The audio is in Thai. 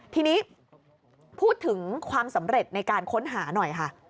ทีนี้พูดถึงความสำเร็จในการค้นหาหน่อยค่ะ